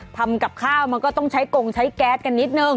ทำกับข้าวมันก็ต้องใช้กงใช้แก๊สกันนิดนึง